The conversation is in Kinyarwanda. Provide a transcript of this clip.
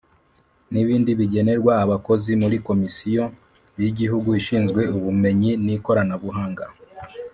N ibindi bigenerwa abakozi muri komisiyo y igihugu ishinzwe ubumenyi n ikoranabuhanga